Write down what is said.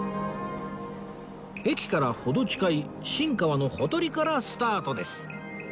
駅から程近い新川のほとりからスタートです